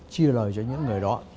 chia lời cho những người đó